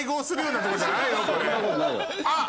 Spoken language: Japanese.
あっ！